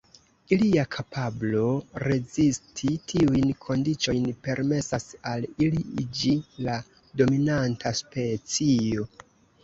Ilia kapablo rezisti tiujn kondiĉojn permesas al ili iĝi la dominanta specio.